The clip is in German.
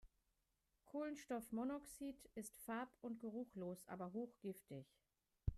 Kohlenstoffmonoxid ist farb- und geruchlos, aber hochgiftig.